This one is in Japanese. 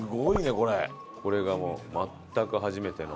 これがもう全く初めての。